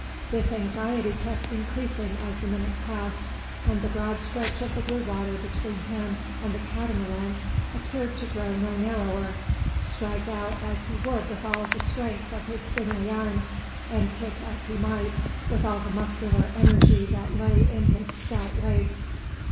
This anxiety kept increasing as the minutes passed, and the broad stretch of blue water between him and the Catamaran appeared to grow no narrower, strike out as he would with all the strength of his sinewy arms, and kick as he might with all the muscular energy that lay in his stout legs.